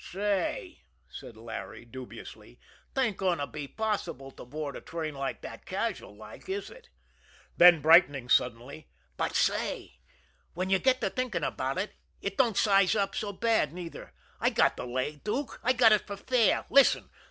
"Say," said Larry dubiously, "'taint going to be possible to board a train like that casual like, is it?" Then, brightening suddenly: "But say, when you get to thinking about it, it don't size up so bad, neither. I got the lay, Dook I got it for fair listen!